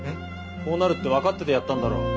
こうなるって分かっててやったんだろ？